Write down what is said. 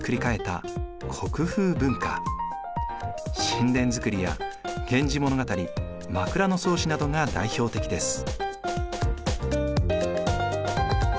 寝殿造や「源氏物語」「枕草子」などが代表的です。